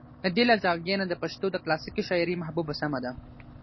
د دې له زاويې نه د پښتو د کلاسيکې شاعرۍ محبوبه سمه ده